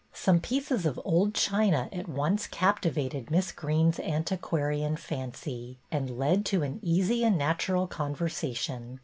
Some pieces of old china at once captivated Miss Greene's antiquarian fancy, and led to an easy and natural conversation.